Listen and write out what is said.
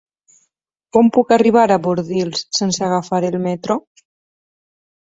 Com puc arribar a Bordils sense agafar el metro?